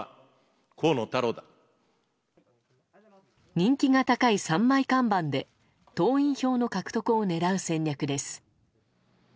人気が高い３枚看板で党員票の獲得を狙う戦略です。